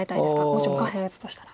もしも下辺打つとしたら。